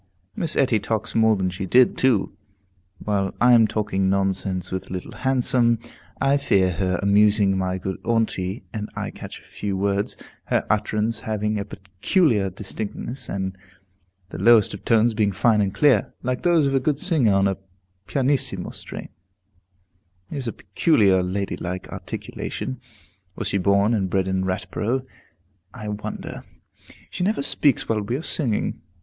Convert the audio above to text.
Miss Etty talks more than she did, too. While I am talking nonsense with Little Handsome, I hear her amusing my good aunty, and I catch a few words, her utterance having a peculiar distinctness, and the lowest tones being fine and clear, like those of a good singer on a pianissimo strain. It is a peculiarly ladylike articulation; was she born and bred in Ratborough, I wonder? She never speaks while we are singing.